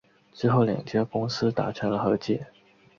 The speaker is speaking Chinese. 之后两家公司达成了和解。